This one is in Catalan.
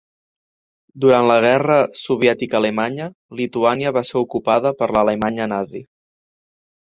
Durant la guerra soviètic-alemanya, Lituània va ser ocupada per l'Alemanya nazi.